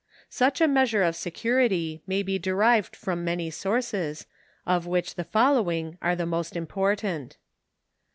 Such a measure of security may bo derived from many sources, of which the following are the most important.